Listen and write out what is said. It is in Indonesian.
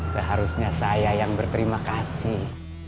seharusnya saya yang berterima kasih